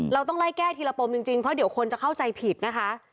เราต้องไล่แก้ทีละปมจริงเพราะเดี๋ยวคนจะเข้าใจผิดนะคะ